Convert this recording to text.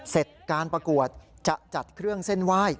เสร็จการประกวดจะจัดเครื่องเส้นไหว้